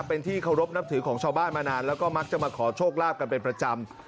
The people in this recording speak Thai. เป็นที่เคารพนับถือของชาวบ้านมานานแล้วก็มักจะมาขอโชคลาภกันเป็นประจำ